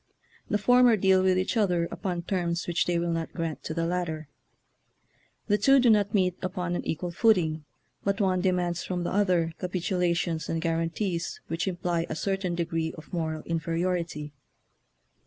The former deal with each other upon terms which they will not grant to the latter. The two do not meet upon an equal footing, but one demands from the other capitulations and guaran tees which imply a certain degree of mor al inferiority.